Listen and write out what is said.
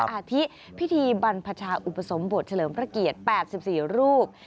อาทิพิธีบรรพชาอุปสมบทเฉลิมพระเกียรติ๘๔รูป